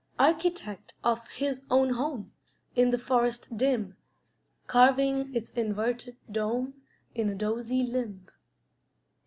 Architect of his own home In the forest dim, Carving its inverted dome In a dozy limb.